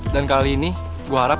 dan kali ini gue harap